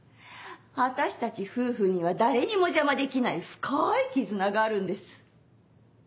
私たち夫婦には誰にも邪魔できない深い絆があるんです。